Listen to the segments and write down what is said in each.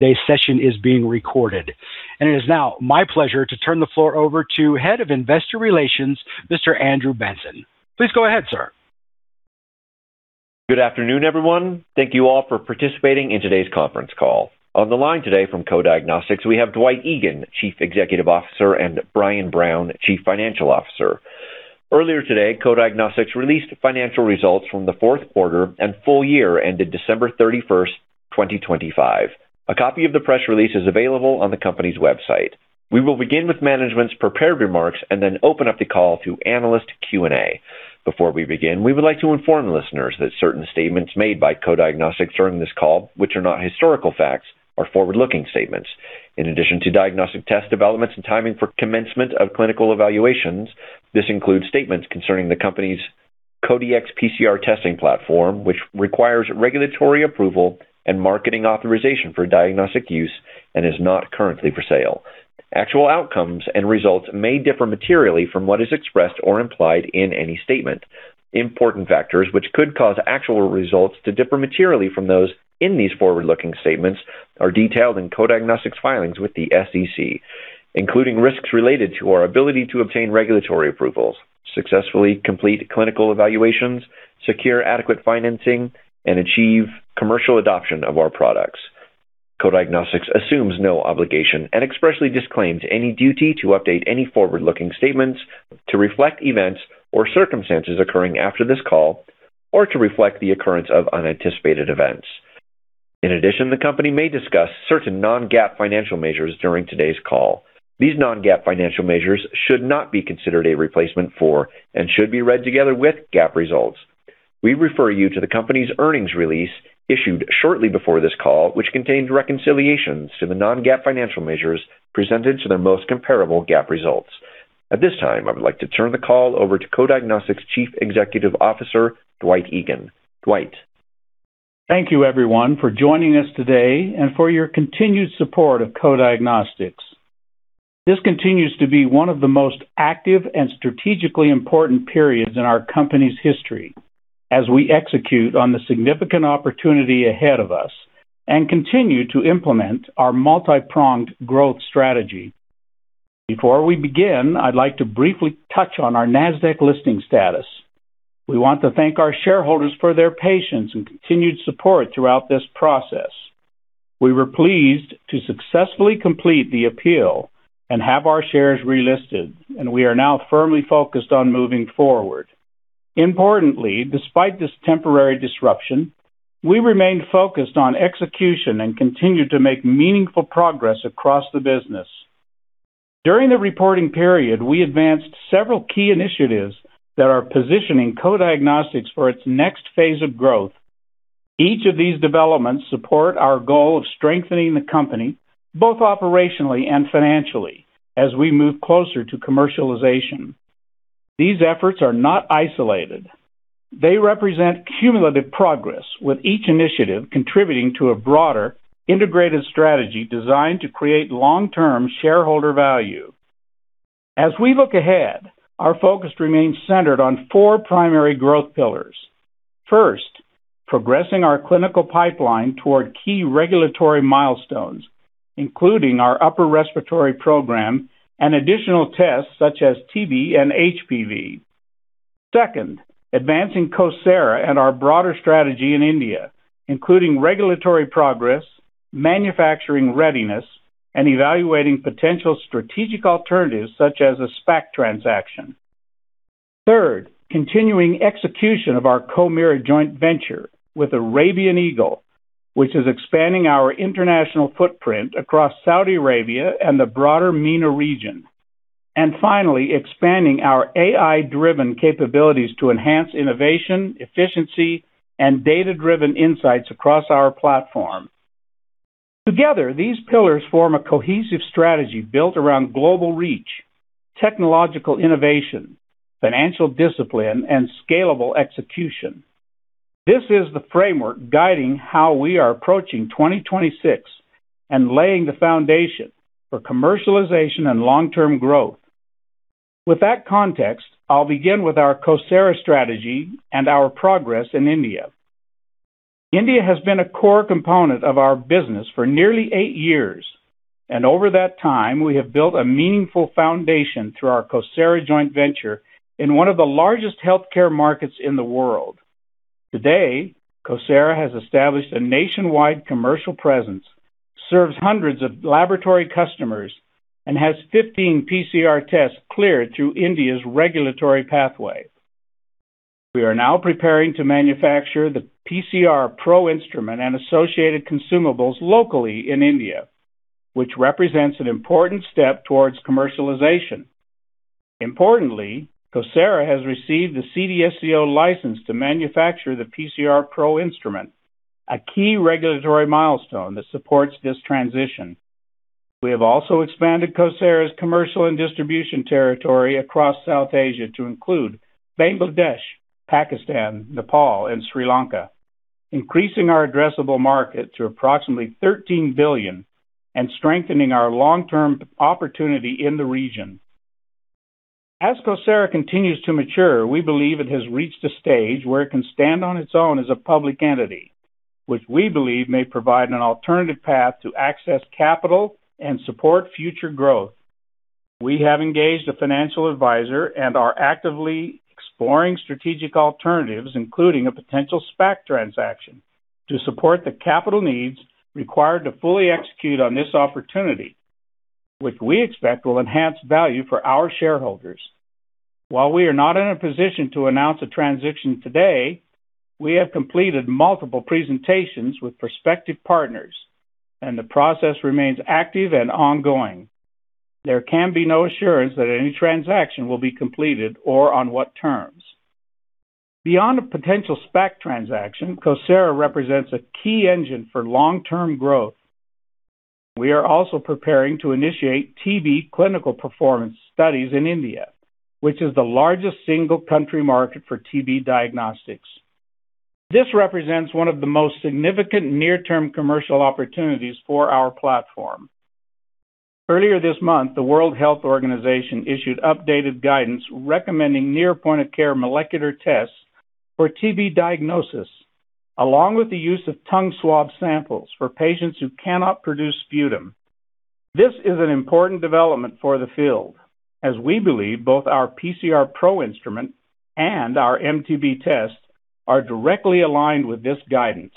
Today's session is being recorded. It is now my pleasure to turn the floor over to Head of Investor Relations, Mr. Andrew Benson. Please go ahead, sir. Good afternoon, everyone. Thank you all for participating in today's conference call. On the line today from Co-Diagnostics, we have Dwight Egan, Chief Executive Officer, and Brian Brown, Chief Financial Officer. Earlier today, Co-Diagnostics released financial results from the fourth quarter and full-year ended December 31st, 2025. A copy of the press release is available on the company's website. We will begin with management's prepared remarks and then open up the call to analyst Q&A. Before we begin, we would like to inform listeners that certain statements made by Co-Diagnostics during this call, which are not historical facts, are forward-looking statements. In addition to diagnostic test developments and timing for commencement of clinical evaluations, this includes statements concerning the company's Kodiak PCR testing platform, which requires regulatory approval and marketing authorization for diagnostic use and is not currently for sale. Actual outcomes and results may differ materially from what is expressed or implied in any statement. Important factors which could cause actual results to differ materially from those in these forward-looking statements are detailed in Co-Diagnostics filings with the SEC, including risks related to our ability to obtain regulatory approvals, successfully complete clinical evaluations, secure adequate financing, and achieve commercial adoption of our products. Co-Diagnostics assumes no obligation and expressly disclaims any duty to update any forward-looking statements to reflect events or circumstances occurring after this call or to reflect the occurrence of unanticipated events. In addition, the company may discuss certain non-GAAP financial measures during today's call. These non-GAAP financial measures should not be considered a replacement for and should be read together with GAAP results. We refer you to the company's earnings release issued shortly before this call, which contained reconciliations to the non-GAAP financial measures presented to their most comparable GAAP results. At this time, I would like to turn the call over to Co-Diagnostics Chief Executive Officer, Dwight Egan. Dwight. Thank you everyone for joining us today and for your continued support of Co-Diagnostics. This continues to be one of the most active and strategically important periods in our company's history as we execute on the significant opportunity ahead of us and continue to implement our multi-pronged growth strategy. Before we begin, I'd like to briefly touch on our Nasdaq listing status. We want to thank our shareholders for their patience and continued support throughout this process. We were pleased to successfully complete the appeal and have our shares relisted, and we are now firmly focused on moving forward. Importantly, despite this temporary disruption, we remained focused on execution and continued to make meaningful progress across the business. During the reporting period, we advanced several key initiatives that are positioning Co-Diagnostics for its next phase of growth. Each of these developments support our goal of strengthening the company both operationally and financially as we move closer to commercialization. These efforts are not isolated. They represent cumulative progress with each initiative contributing to a broader integrated strategy designed to create long-term shareholder value. As we look ahead, our focus remains centered on four primary growth pillars. First, progressing our clinical pipeline toward key regulatory milestones, including our upper respiratory program and additional tests such as TB and HPV. Second, advancing CoSara and our broader strategy in India, including regulatory progress, manufacturing readiness, and evaluating potential strategic alternatives such as a SPAC transaction. Third, continuing execution of our CoMira joint venture with Arabian Eagle, which is expanding our international footprint across Saudi Arabia and the broader MENA region. Finally, expanding our AI-driven capabilities to enhance innovation, efficiency, and data-driven insights across our platform. Together, these pillars form a cohesive strategy built around global reach, technological innovation, financial discipline, and scalable execution. This is the framework guiding how we are approaching 2026 and laying the foundation for commercialization and long-term growth. With that context, I'll begin with our CoSara strategy and our progress in India. India has been a core component of our business for nearly eight years, and over that time, we have built a meaningful foundation through our CoSara joint venture in one of the largest healthcare markets in the world. Today, CoSara has established a nationwide commercial presence, serves hundreds of laboratory customers, and has 15 PCR tests cleared through India's regulatory pathway. We are now preparing to manufacture the PCR Pro instrument and associated consumables locally in India, which represents an important step towards commercialization. Importantly, CoSara has received the CDSCO license to manufacture the PCR Pro instrument, a key regulatory milestone that supports this transition. We have also expanded CoSara's commercial and distribution territory across South Asia to include Bangladesh, Pakistan, Nepal, and Sri Lanka, increasing our addressable market to approximately 13 billion and strengthening our long-term opportunity in the region. As CoSara continues to mature, we believe it has reached a stage where it can stand on its own as a public entity, which we believe may provide an alternative path to access capital and support future growth. We have engaged a financial advisor and are actively exploring strategic alternatives, including a potential SPAC transaction, to support the capital needs required to fully execute on this opportunity, which we expect will enhance value for our shareholders. While we are not in a position to announce a transition today, we have completed multiple presentations with prospective partners and the process remains active and ongoing. There can be no assurance that any transaction will be completed or on what terms. Beyond a potential SPAC transaction, CoSara represents a key engine for long-term growth. We are also preparing to initiate TB clinical performance studies in India, which is the largest single country market for TB diagnostics. This represents one of the most significant near-term commercial opportunities for our platform. Earlier this month, the World Health Organization issued updated guidance recommending near point-of-care molecular tests for TB diagnosis, along with the use of tongue swab samples for patients who cannot produce sputum. This is an important development for the field as we believe both our PCR Pro instrument and our MTB test are directly aligned with this guidance.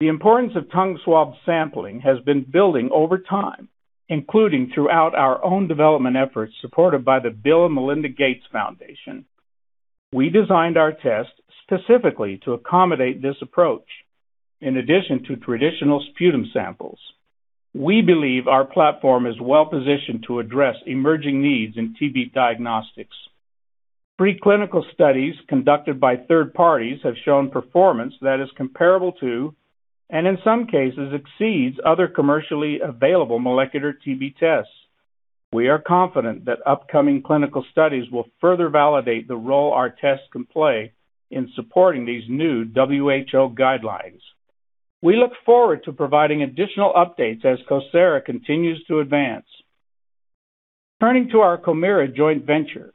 The importance of tongue swab sampling has been building over time, including throughout our own development efforts supported by the Bill and Melinda Gates Foundation. We designed our test specifically to accommodate this approach. In addition to traditional sputum samples, we believe our platform is well-positioned to address emerging needs in TB diagnostics. Pre-clinical studies conducted by third parties have shown performance that is comparable to and in some cases exceeds other commercially available molecular TB tests. We are confident that upcoming clinical studies will further validate the role our tests can play in supporting these new WHO guidelines. We look forward to providing additional updates as CoSara continues to advance. Turning to our CoMira joint venture,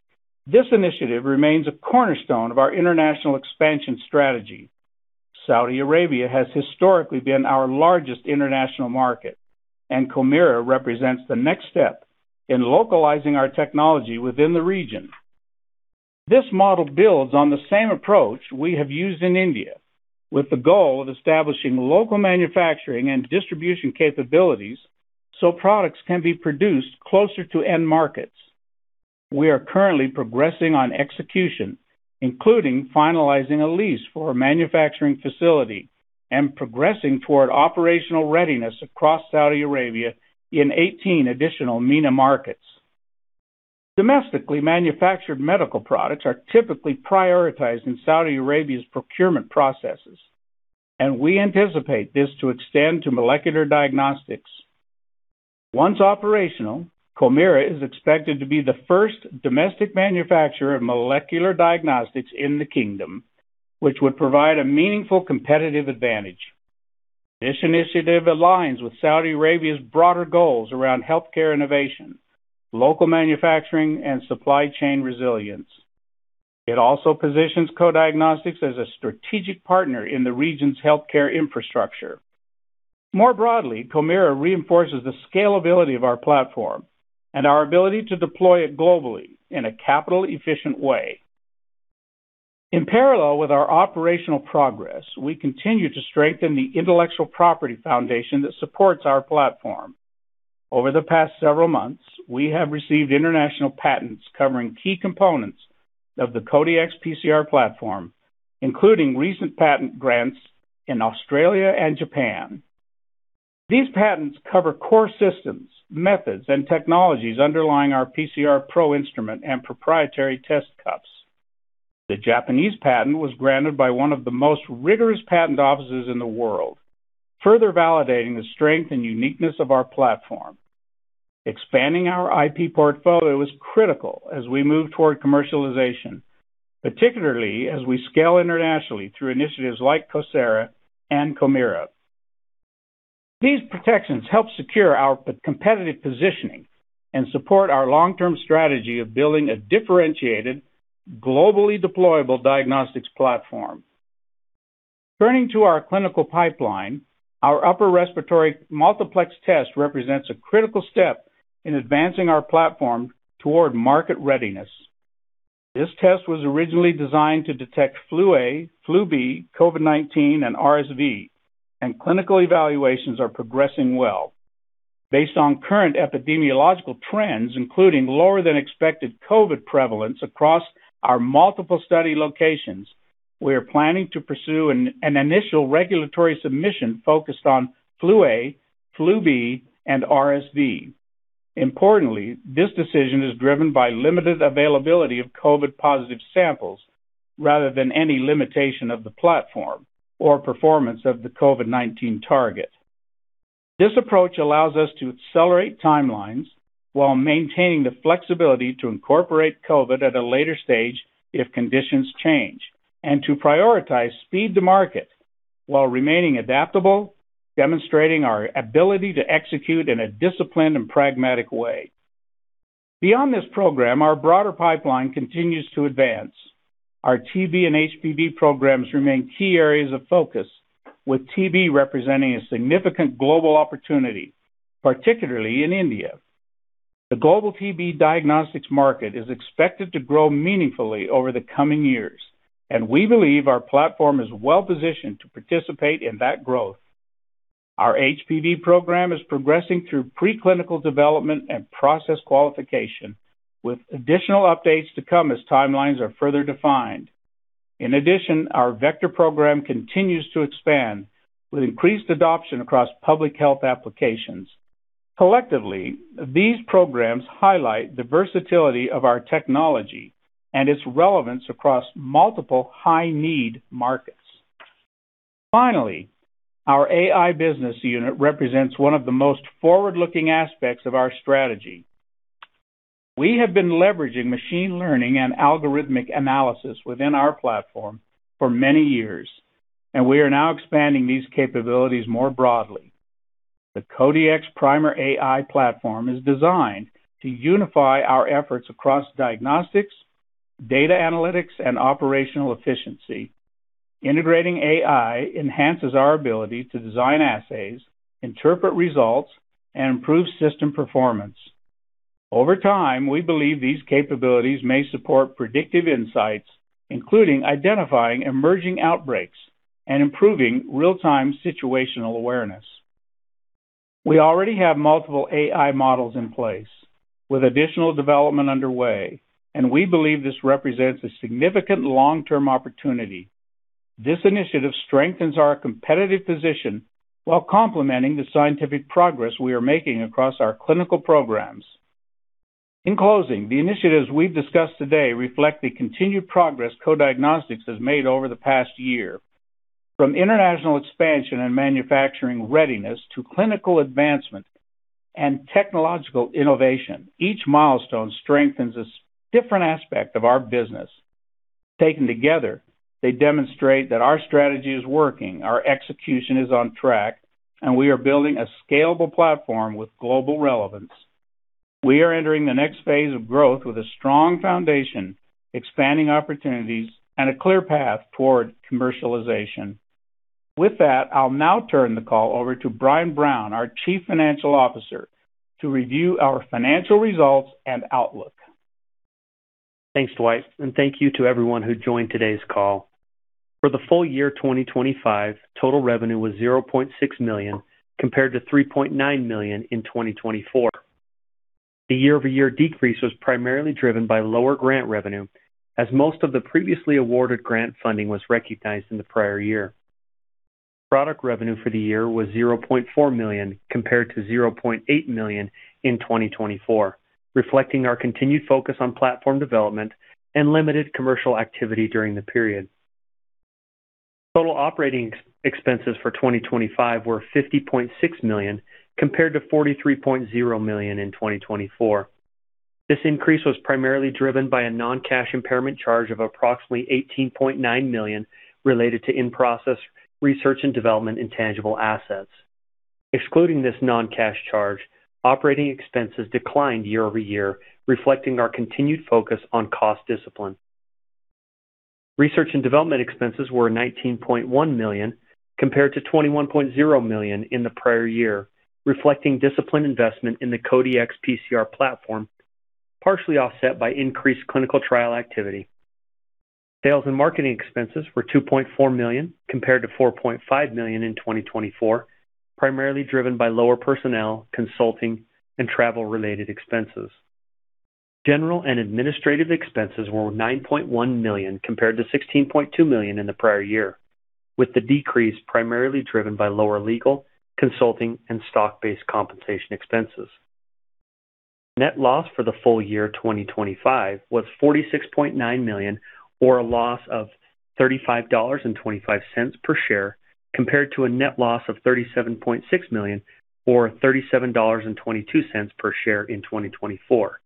this initiative remains a cornerstone of our international expansion strategy. Saudi Arabia has historically been our largest international market, and CoMira represents the next step in localizing our technology within the region. This model builds on the same approach we have used in India, with the goal of establishing local manufacturing and distribution capabilities so products can be produced closer to end markets. We are currently progressing on execution, including finalizing a lease for a manufacturing facility and progressing toward operational readiness across Saudi Arabia in 18 additional MENA markets. Domestically manufactured medical products are typically prioritized in Saudi Arabia's procurement processes, and we anticipate this to extend to molecular diagnostics. Once operational, CoMira is expected to be the first domestic manufacturer of molecular diagnostics in the kingdom, which would provide a meaningful competitive advantage. This initiative aligns with Saudi Arabia's broader goals around healthcare innovation, local manufacturing, and supply chain resilience. It also positions Co-Diagnostics as a strategic partner in the region's healthcare infrastructure. More broadly, CoMira reinforces the scalability of our platform and our ability to deploy it globally in a capital-efficient way. In parallel with our operational progress, we continue to strengthen the intellectual property foundation that supports our platform. Over the past several months, we have received international patents covering key components of the Kodiak PCR platform, including recent patent grants in Australia and Japan. These patents cover core systems, methods, and technologies underlying our PCR Pro instrument and proprietary test cups. The Japanese patent was granted by one of the most rigorous patent offices in the world, further validating the strength and uniqueness of our platform. Expanding our IP portfolio is critical as we move toward commercialization, particularly as we scale internationally through initiatives like CoSara and CoMira. These protections help secure our competitive positioning and support our long-term strategy of building a differentiated, globally deployable diagnostics platform. Turning to our clinical pipeline, our upper respiratory multiplex test represents a critical step in advancing our platform toward market readiness. This test was originally designed to detect flu A, flu B, COVID-19, and RSV, and clinical evaluations are progressing well. Based on current epidemiological trends, including lower than expected COVID prevalence across our multiple study locations, we are planning to pursue an initial regulatory submission focused on flu A, flu B, and RSV. Importantly, this decision is driven by limited availability of COVID-positive samples rather than any limitation of the platform or performance of the COVID-19 target. This approach allows us to accelerate timelines while maintaining the flexibility to incorporate COVID at a later stage if conditions change, and to prioritize speed to market while remaining adaptable, demonstrating our ability to execute in a disciplined and pragmatic way. Beyond this program, our broader pipeline continues to advance. Our TB and HPV programs remain key areas of focus, with TB representing a significant global opportunity, particularly in India. The global TB diagnostics market is expected to grow meaningfully over the coming years, and we believe our platform is well-positioned to participate in that growth. Our HPV program is progressing through preclinical development and process qualification, with additional updates to come as timelines are further defined. In addition, our vector program continues to expand with increased adoption across public health applications. Collectively, these programs highlight the versatility of our technology and its relevance across multiple high-need markets. Finally, our AI business unit represents one of the most forward-looking aspects of our strategy. We have been leveraging machine learning and algorithmic analysis within our platform for many years, and we are now expanding these capabilities more broadly. The Kodiak Primer AI platform is designed to unify our efforts across diagnostics, data analytics, and operational efficiency. Integrating AI enhances our ability to design assays, interpret results, and improve system performance. Over time, we believe these capabilities may support predictive insights, including identifying emerging outbreaks and improving real-time situational awareness. We already have multiple AI models in place with additional development underway, and we believe this represents a significant long-term opportunity. This initiative strengthens our competitive position while complementing the scientific progress we are making across our clinical programs. In closing, the initiatives we've discussed today reflect the continued progress Co-Diagnostics has made over the past year. From international expansion and manufacturing readiness to clinical advancement and technological innovation, each milestone strengthens a different aspect of our business. Taken together, they demonstrate that our strategy is working, our execution is on track, and we are building a scalable platform with global relevance. We are entering the next phase of growth with a strong foundation, expanding opportunities, and a clear path toward commercialization. With that, I'll now turn the call over to Brian Brown, our Chief Financial Officer, to review our financial results and outlook. Thanks, Dwight, and thank you to everyone who joined today's call. For the full-year 2025, total revenue was $0.6 million, compared to $3.9 million in 2024. The year-over-year decrease was primarily driven by lower grant revenue, as most of the previously awarded grant funding was recognized in the prior year. Product revenue for the year was $0.4 million, compared to $0.8 million in 2024, reflecting our continued focus on platform development and limited commercial activity during the period. Total operating expenses for 2025 were $50.6 million compared to $43.0 million in 2024. This increase was primarily driven by a non-cash impairment charge of approximately $18.9 million related to in-process research and development intangible assets. Excluding this non-cash charge, operating expenses declined year-over-year, reflecting our continued focus on cost discipline. Research and development expenses were $19.1 million, compared to $21.0 million in the prior year, reflecting disciplined investment in the Kodiak PCR platform, partially offset by increased clinical trial activity. Sales and marketing expenses were $2.4 million, compared to $4.5 million in 2024, primarily driven by lower personnel, consulting, and travel-related expenses. General and administrative expenses were $9.1 million, compared to $16.2 million in the prior year, with the decrease primarily driven by lower legal, consulting, and stock-based compensation expenses. Net loss for the full-year 2025 was $46.9 million, or a loss of $35.25 per share, compared to a net loss of $37.6 million, or $37.22 per share in 2024.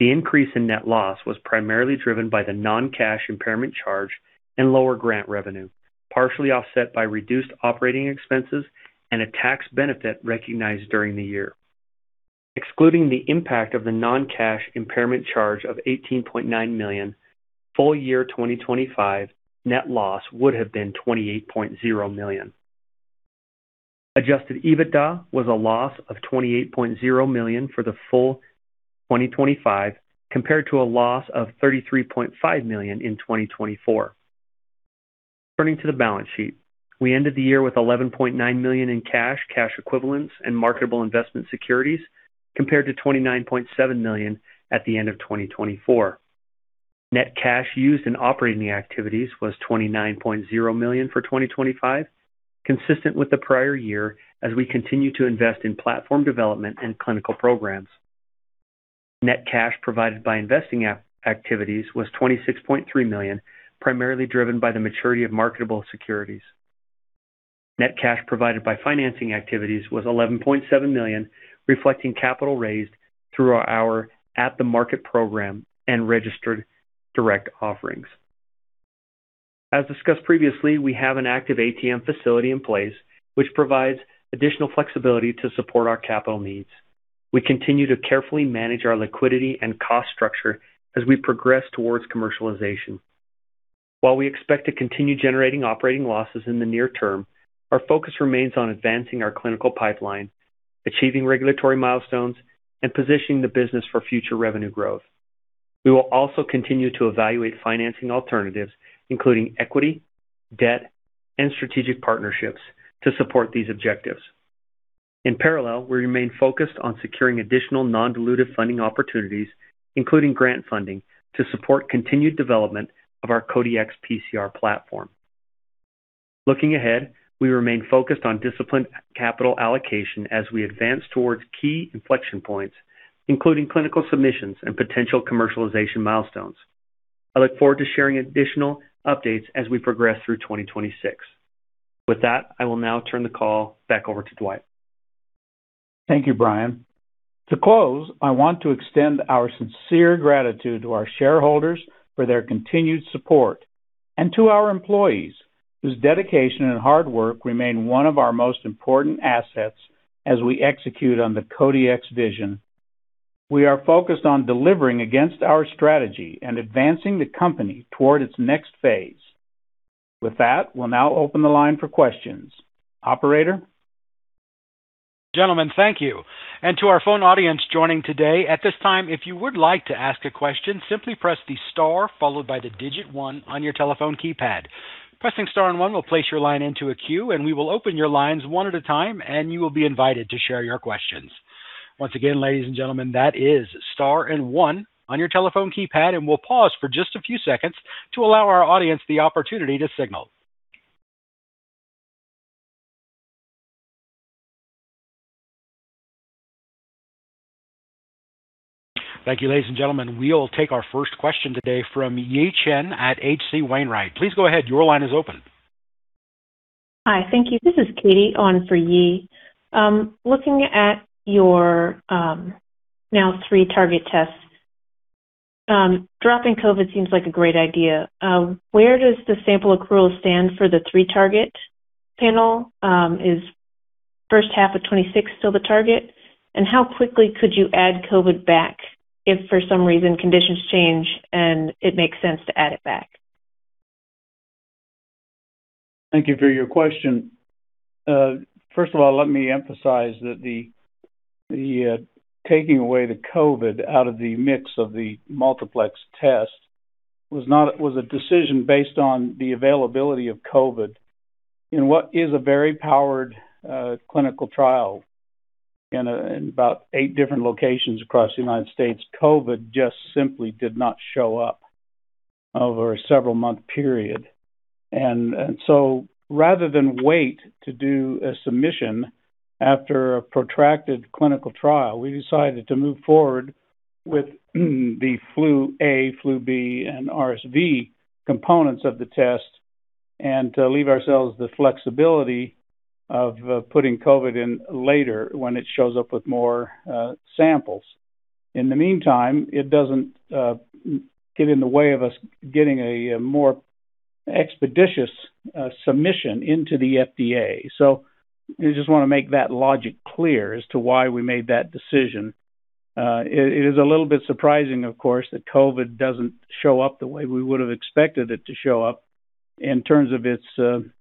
The increase in net loss was primarily driven by the non-cash impairment charge and lower grant revenue, partially offset by reduced operating expenses and a tax benefit recognized during the year. Excluding the impact of the non-cash impairment charge of $18.9 million, full-year 2025 net loss would have been $28.0 million. Adjusted EBITDA was a loss of $28.0 million for the full 2025, compared to a loss of $33.5 million in 2024. Turning to the balance sheet, we ended the year with $11.9 million in cash equivalents, and marketable investment securities, compared to $29.7 million at the end of 2024. Net cash used in operating activities was $29.0 million for 2025, consistent with the prior year as we continue to invest in platform development and clinical programs. Net cash provided by investing activities was $26.3 million, primarily driven by the maturity of marketable securities. Net cash provided by financing activities was $11.7 million, reflecting capital raised through our at-the-market program and registered direct offerings. As discussed previously, we have an active ATM facility in place which provides additional flexibility to support our capital needs. We continue to carefully manage our liquidity and cost structure as we progress towards commercialization. While we expect to continue generating operating losses in the near term, our focus remains on advancing our clinical pipeline, achieving regulatory milestones, and positioning the business for future revenue growth. We will also continue to evaluate financing alternatives, including equity, debt, and strategic partnerships to support these objectives. In parallel, we remain focused on securing additional non-dilutive funding opportunities, including grant funding, to support continued development of our Kodiak PCR platform. Looking ahead, we remain focused on disciplined capital allocation as we advance towards key inflection points, including clinical submissions and potential commercialization milestones. I look forward to sharing additional updates as we progress through 2026. With that, I will now turn the call back over to Dwight. Thank you, Brian. To close, I want to extend our sincere gratitude to our shareholders for their continued support and to our employees, whose dedication and hard work remain one of our most important assets as we execute on the Kodiak vision. We are focused on delivering against our strategy and advancing the company toward its next phase. With that, we'll now open the line for questions. Operator? Gentlemen, thank you. To our phone audience joining today, at this time, if you would like to ask a question, simply press the star followed by the digit one on your telephone keypad. Pressing star and one will place your line into a queue, and we will open your lines one at a time, and you will be invited to share your questions. Once again, ladies and gentlemen, that is star and one on your telephone keypad, and we'll pause for just a few seconds to allow our audience the opportunity to signal. Thank you. Ladies and gentlemen, we'll take our first question today from Yi Chen at H.C. Wainwright. Please go ahead. Your line is open. Hi. Thank you. This is Katie on for Yi. Looking at your now three target tests, dropping COVID seems like a great idea. Where does the sample accrual stand for the three target panel? Is first half of 2026 still the target? How quickly could you add COVID back if for some reason conditions change and it makes sense to add it back? Thank you for your question. First of all, let me emphasize that taking away the COVID out of the mix of the multiplex test was not a decision based on the availability of COVID in what is a very powered clinical trial in about eight different locations across the United States. COVID just simply did not show up over a several-month period. So rather than wait to do a submission after a protracted clinical trial, we decided to move forward with the flu A, flu B, and RSV components of the test and to leave ourselves the flexibility of putting COVID in later when it shows up with more samples. In the meantime, it doesn't get in the way of us getting a more expeditious submission into the FDA. I just wanna make that logic clear as to why we made that decision. It is a little bit surprising, of course, that COVID doesn't show up the way we would have expected it to show up in terms of its, you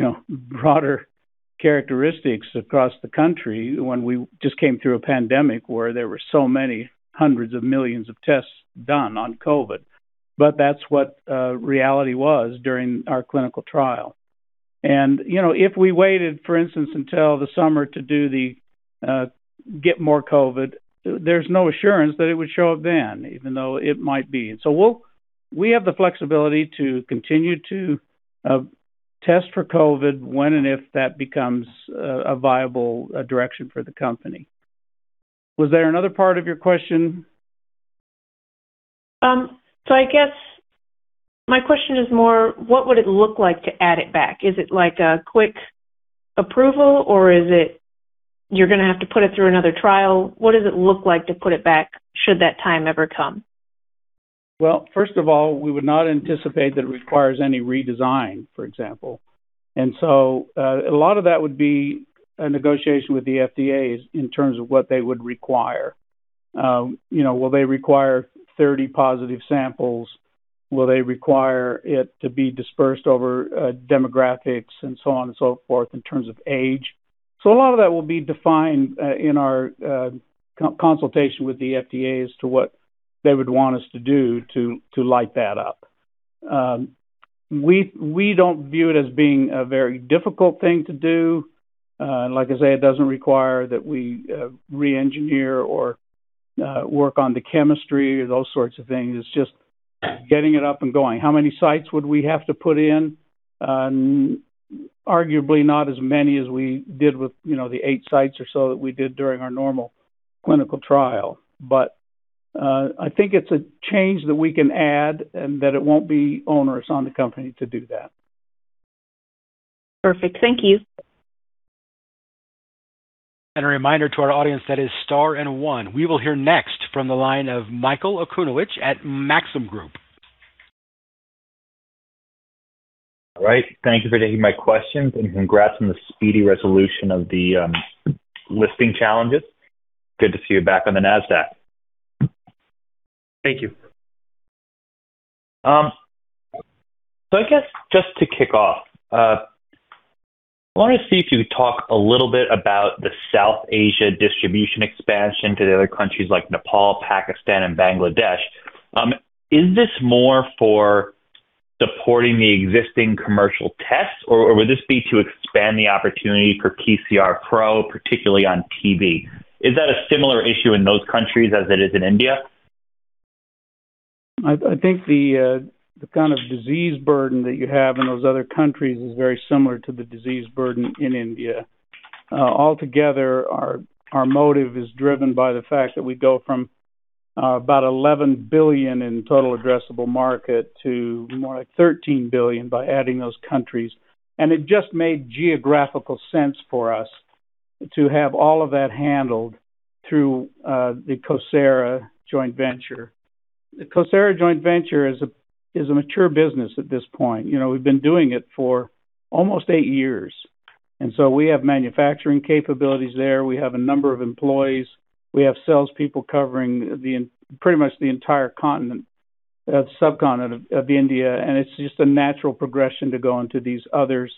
know, broader characteristics across the country when we just came through a pandemic where there were so many hundreds of millions of tests done on COVID. That's what reality was during our clinical trial. You know, if we waited, for instance, until the summer to get more COVID, there's no assurance that it would show up then, even though it might be. We have the flexibility to continue to test for COVID when and if that becomes a viable direction for the company. Was there another part of your question? I guess my question is more what would it look like to add it back? Is it like a quick approval or is it you're gonna have to put it through another trial? What does it look like to put it back should that time ever come? Well, first of all, we would not anticipate that it requires any redesign, for example. A lot of that would be a negotiation with the FDA in terms of what they would require. You know, will they require 30 positive samples? Will they require it to be dispersed over, demographics and so on and so forth in terms of age? A lot of that will be defined in our consultation with the FDA as to what they would want us to do to light that up. We don't view it as being a very difficult thing to do. Like I say, it doesn't require that we re-engineer or work on the chemistry or those sorts of things. It's just getting it up and going. How many sites would we have to put in? Arguably not as many as we did with, you know, the 8 sites or so that we did during our normal clinical trial, but I think it's a change that we can add and that it won't be onerous on the company to do that. Perfect. Thank you. A reminder to our audience, that is star and one. We will hear next from the line of Michael Okunewitch at Maxim Group. All right. Thank you for taking my questions, and congrats on the speedy resolution of the listing challenges. Good to see you back on the Nasdaq. Thank you. I guess just to kick off, I wanted to see if you could talk a little bit about the South Asia distribution expansion to the other countries like Nepal, Pakistan and Bangladesh. Is this more for supporting the existing commercial tests, or would this be to expand the opportunity for PCR Pro, particularly on TB? Is that a similar issue in those countries as it is in India? I think the kind of disease burden that you have in those other countries is very similar to the disease burden in India. Altogether, our motive is driven by the fact that we go from about $11 billion in total addressable market to more like $13 billion by adding those countries. It just made geographical sense for us to have all of that handled through the CoSara joint venture. The CoSara joint venture is a mature business at this point. You know, we've been doing it for almost eightyears. We have manufacturing capabilities there. We have a number of employees. We have salespeople covering pretty much the entire subcontinent of India. It's just a natural progression to go into these others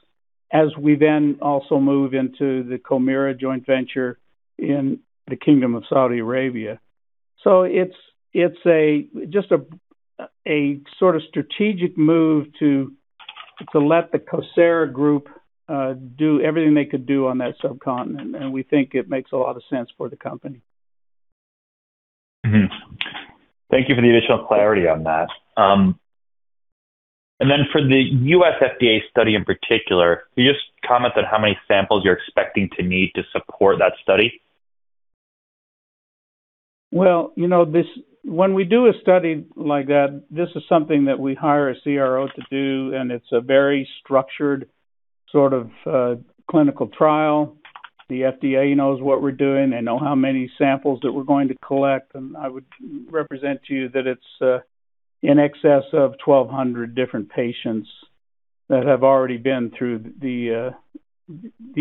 as we then also move into the CoMira joint venture in the Kingdom of Saudi Arabia. It's just a sort of strategic move to let the CoSara group do everything they could do on that subcontinent, and we think it makes a lot of sense for the company. Mm-hmm. Thank you for the additional clarity on that. For the U.S. FDA study in particular, can you just comment on how many samples you're expecting to need to support that study? Well, you know, when we do a study like that, this is something that we hire a CRO to do, and it's a very structured, sort of, clinical trial. The FDA knows what we're doing. They know how many samples that we're going to collect. I would represent to you that it's in excess of 1,200 different patients that have already been through the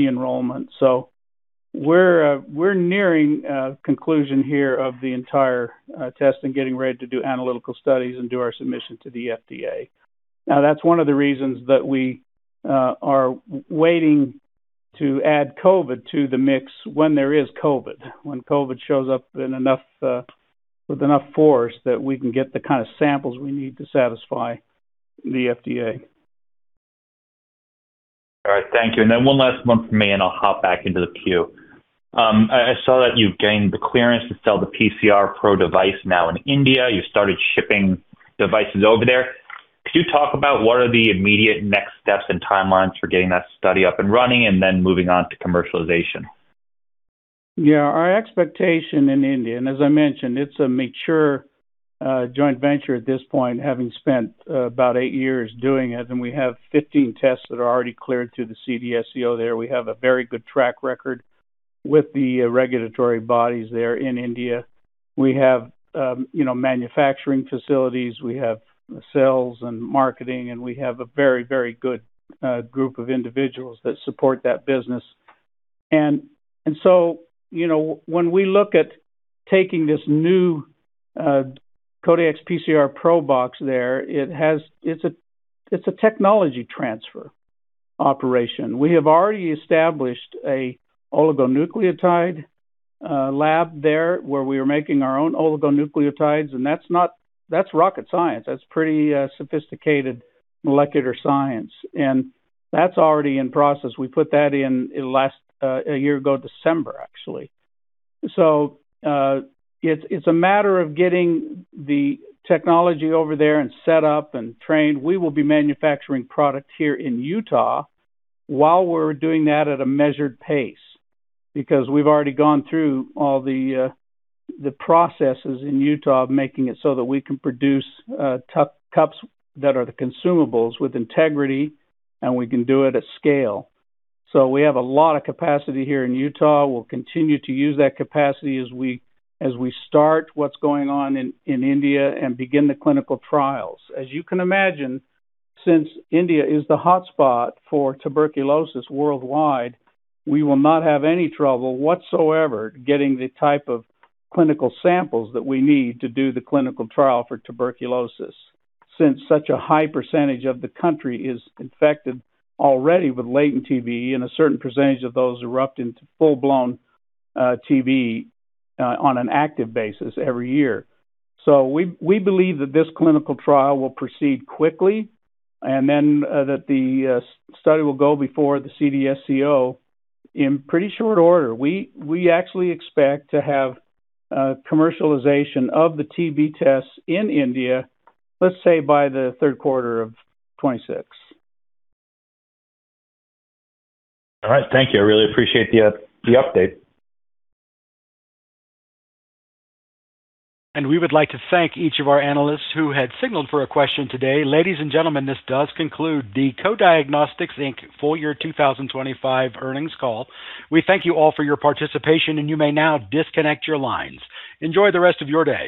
enrollment. We're nearing conclusion here of the entire test and getting ready to do analytical studies and do our submission to the FDA. Now, that's one of the reasons that we are waiting to add COVID to the mix when there is COVID, when COVID shows up with enough force that we can get the kind of samples we need to satisfy the FDA. All right. Thank you. Then one last one from me, and I'll hop back into the queue. I saw that you've gained the clearance to sell the PCR Pro device now in India. You started shipping devices over there. Could you talk about what are the immediate next steps and timelines for getting that study up and running and then moving on to commercialization? Yeah. Our expectation in India, and as I mentioned, it's a mature joint venture at this point, having spent about eight years doing it. We have 15 tests that are already cleared through the CDSCO there. We have a very good track record with the regulatory bodies there in India. You know, we have manufacturing facilities, we have sales and marketing, and we have a very, very good group of individuals that support that business. So, you know, when we look at taking this new Kodiak PCR Pro box there, it's a technology transfer operation. We have already established an oligonucleotide lab there where we are making our own oligonucleotides, and that's not rocket science. That's pretty sophisticated molecular science. That's already in process. We put that in a year ago December, actually. It's a matter of getting the technology over there and set up and trained. We will be manufacturing product here in Utah while we're doing that at a measured pace, because we've already gone through all the processes in Utah of making it so that we can produce cups that are the consumables with integrity, and we can do it at scale. We have a lot of capacity here in Utah. We'll continue to use that capacity as we start what's going on in India and begin the clinical trials. As you can imagine, since India is the hotspot for tuberculosis worldwide, we will not have any trouble whatsoever getting the type of clinical samples that we need to do the clinical trial for tuberculosis, since such a high percentage of the country is infected already with latent TB, and a certain percentage of those erupt into full-blown TB on an active basis every year. We believe that this clinical trial will proceed quickly, and then the study will go before the CDSCO in pretty short order. We actually expect to have commercialization of the TB tests in India, let's say, by the third quarter of 2026. All right. Thank you. I really appreciate the update. We would like to thank each of our analysts who had signaled for a question today. Ladies and gentlemen, this does conclude the Co-Diagnostics, Inc. full-year 2025 earnings call. We thank you all for your participation, and you may now disconnect your lines. Enjoy the rest of your day.